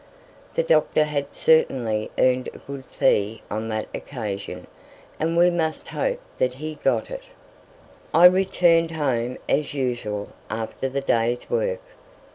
The Doctor had certainly earned a good fee on that occasion, and we must hope that he got it. I returned home as usual after the day's work.